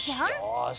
よし。